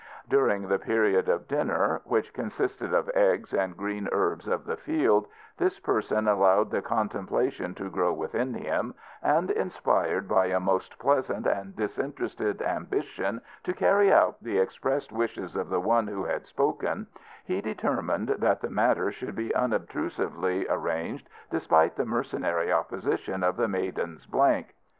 During the period of dinner which consisted of eggs and green herbs of the field this person allowed the contemplation to grow within him, and inspired by a most pleasant and disinterested ambition to carry out the expressed wishes of the one who had spoken, he determined that the matter should be unobtrusively arranged despite the mercenary opposition of the Maidens Blank.